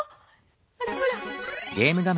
ほらほら！